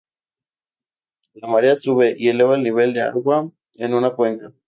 La marea sube y eleva el nivel de agua en una cuenca.